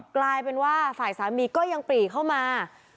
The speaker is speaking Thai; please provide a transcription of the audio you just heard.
กลายแบบว่าฝ่ายสามีก็ยังปลัสเข้ามา